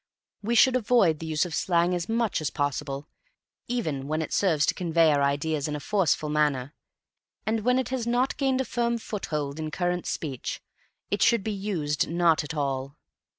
We should avoid the use of slang as much as possible, even when it serves to convey our ideas in a forceful manner. And when it has not gained a firm foothold in current speech it should be used not at all.